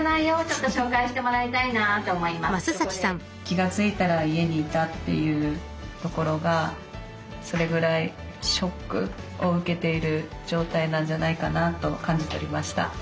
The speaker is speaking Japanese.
気が付いたら家にいたというところがそれぐらいショックを受けている状態なんじゃないかなと感じ取りました。